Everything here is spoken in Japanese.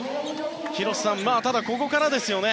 広瀬さん、ここからですよね。